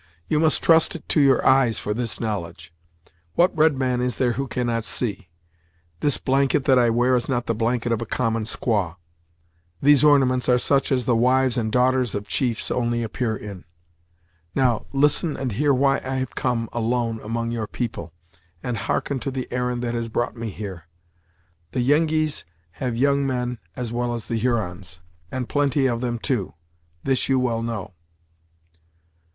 You must trust to your eyes for this knowledge; what red man is there who cannot see? This blanket that I wear is not the blanket of a common squaw; these ornaments are such as the wives and daughters of chiefs only appear in. Now, listen and hear why I have come alone among your people, and hearken to the errand that has brought me here. The Yengeese have young men, as well as the Hurons; and plenty of them, too; this you well know."